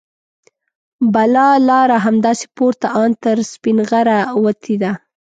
بله لاره همداسې پورته ان تر سپینغره وتې ده.